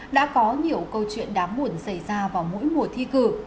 đã có nhiều câu chuyện đáng buồn xảy ra vào mỗi mùa thi cử